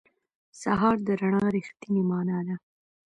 سهار د رڼا رښتینې معنا ده.